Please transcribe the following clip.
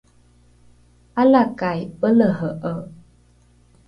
’alakai pelehe’e